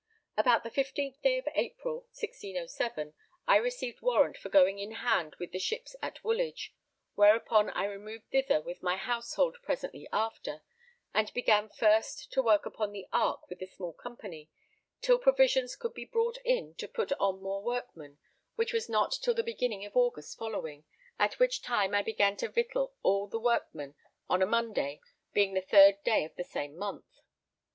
About the 15th day of April 1607, I received warrant for going in hand with the ships at Woolwich, whereupon I removed thither with my household presently after, and began first to work upon the Ark with a small company, till provisions could be brought in to put on more workmen, which was not till the beginning of August following, at which time I began to victual all the workmen, on a Monday, being the 3rd day of the same month.